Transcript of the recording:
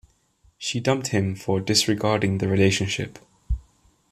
She dumped him for disregarding the relationship.